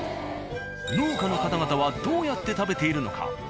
農家の方々はどうやって食べているのか。